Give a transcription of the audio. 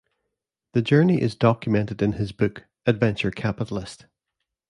The journey is documented in his book Adventure Capitalist.